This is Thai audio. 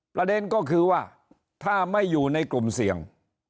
ประเด็นก็คือว่าถ้าไม่อยู่ในกลุ่มเสี่ยง